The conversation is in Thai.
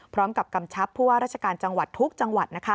พร้อมกับกำชับเพื่อว่าราชการจังหวัดทุกจังหวัด